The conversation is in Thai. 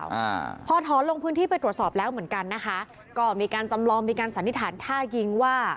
อ่าพอถอนลงพื้นที่ไปตรวจสอบแล้วเหมือนกันนะคะก็มีการจำลองมีการสันนิษฐานท่ายิงว่า